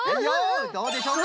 どうでしょうか？